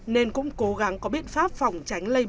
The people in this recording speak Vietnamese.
nên cũng cố gắng có biện pháp phòng tránh lây lan